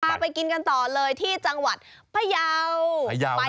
ไปกินกันต่อเลยที่จังหวัดพยาว